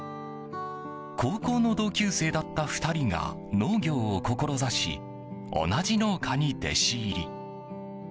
高校の同級生だった２人が農業を志し同じ農家に弟子入り。